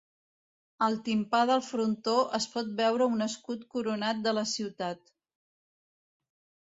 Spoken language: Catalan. Al timpà del frontó es pot veure un escut coronat de la ciutat.